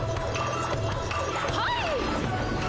はい！